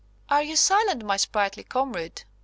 "Are you silent, my sprightly comrade?"